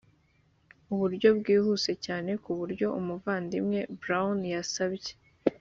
uburyo bwihuse cyane ku buryo umuvandimwe brown yasabye